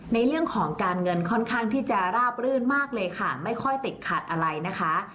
ในเรื่องของการเงินค่อนข้างที่จะราบรื่นมากเลยค่ะไม่ค่อยติดขัดอะไรนะคะ